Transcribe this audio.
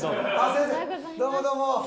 どうもどうも。